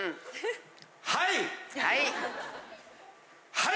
はい。